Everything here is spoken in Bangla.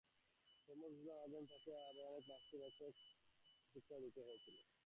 ধর্ম-বিপ্লব আনবার জন্য তাঁকে অনেক নাস্তিবাচক শিক্ষাও দিতে হয়েছিল।